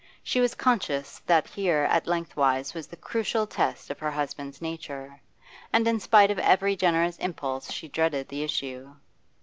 She was conscious that here at length was the crucial test of her husband's nature, and in spite of every generous impulse she dreaded the issue.